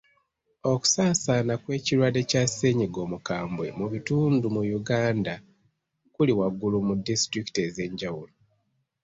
Okusaasaana kw'ekirwadde kya ssennyiga omukambwe mu bitundu mu Uganda kuli waggulu mu disitulikiti ez'enjawulo.